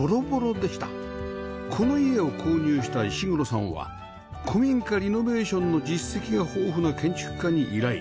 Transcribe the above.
この家を購入した石黒さんは古民家リノベーションの実績が豊富な建築家に依頼